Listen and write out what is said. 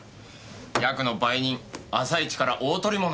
ヤクの売人朝イチから大捕り物だよ。